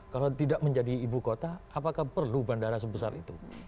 kalau tidak menjadi ibu kota apakah perlu bandara sebesar itu